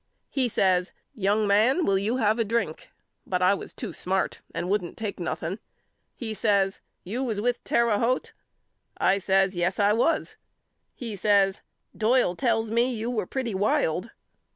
He says Young man will you have a drink? But I was to smart and wouldn't take nothing. He says You was with Terre Haute? I says Yes I was. He says Doyle tells me you were pretty wild.